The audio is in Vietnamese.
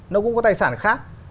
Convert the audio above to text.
nó cũng có tài sản khác